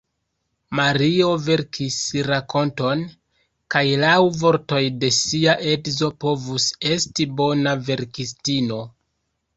Mario verkis rakonton, kaj laŭ vortoj de sia edzo povus esti bona verkistino.